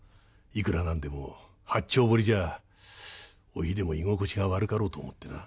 いくら何でも八丁堀じゃおひでも居心地が悪かろうと思ってな。